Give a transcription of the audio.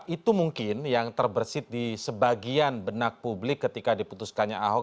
itu mungkin yang terbersih di sebagian benak publik ketika diputuskannya ahok